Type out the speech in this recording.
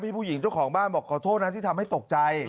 ผู้หญิงเจ้าของบ้านบอกขอโทษนะที่ทำให้ตกใจ